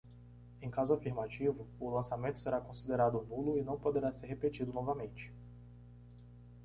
Em caso afirmativo, o lançamento será considerado nulo e não poderá ser repetido novamente.